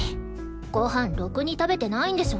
ごはんろくに食べてないんでしょ？